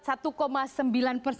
kami sudah memiliki jurus